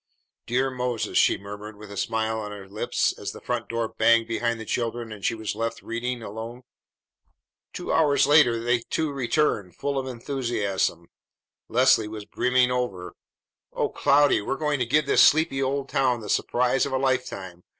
"Dear Moses!" she murmured with a smile on her lips as the front door banged behind the children and she was left reading alone. Two hours later the two returned full of enthusiasm. Leslie was brimming over. "O Cloudy, we're going to give this sleepy old town the surprise of a lifetime!